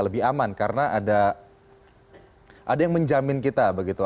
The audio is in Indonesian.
lebih aman karena ada yang menjamin kita begitu